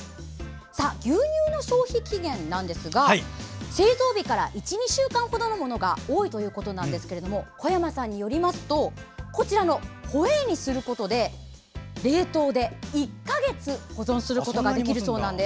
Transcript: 牛乳の消費期限は製造日から１２週間程のものが多いんですが小山さんによりますとこちらのホエーにすることで冷凍で１か月保存することができるそうです。